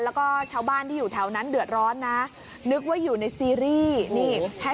แล้วก็ชาวบ้านที่อยู่แถวนั้นเดือดร้อนนะนึกว่าอยู่ในซีรีส์นี่